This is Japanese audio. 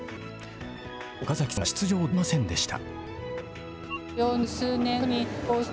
岡崎さんは出場できませんでした。